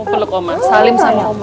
peluk oma salim sama oma